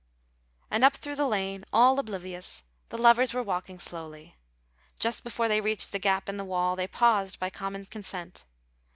And up through the lane, all oblivious, the lovers were walking slowly. Just before they reached the gap in the wall, they paused by common consent.